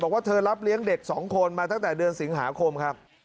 บอกว่าเธอรับเลี้ยงเด็ก๒คนมาตั้งแต่เดือนสิงหาคมครับ